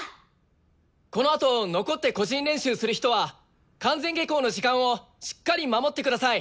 このあと残って個人練習する人は完全下校の時間をしっかり守ってください。